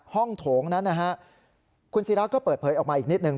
ห้องโถงนั่นคุณสีระก็เปิดเผยออกมาอีกนิดนึง